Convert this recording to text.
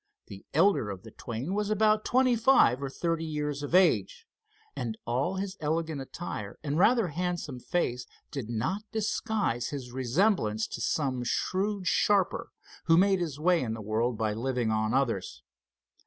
The elder of the twain was about twenty five or thirty years of age, and all his elegant attire and rather handsome face did not disguise his resemblance to some shrewd sharper who made his way in the world by living on others.